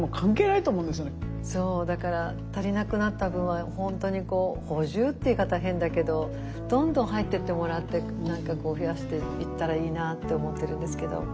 だから足りなくなった分は本当に補充っていう言い方は変だけどどんどん入ってってもらって何かこう増やしていったらいいなって思ってるんですけど。